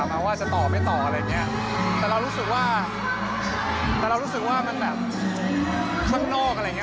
ไม่มีแล้วค่ะเป็นฟีแลนด์แล้วค่ะ